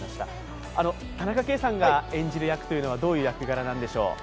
田中圭さんが演じる役はどういう役柄なんでしょうか。